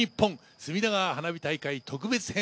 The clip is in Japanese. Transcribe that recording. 隅田川花火大会特別編。